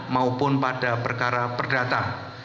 maupun pada perkara perdata